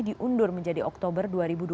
diundur menjadi oktober dua ribu dua puluh